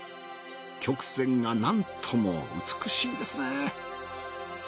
曲線がなんとも美しいですね。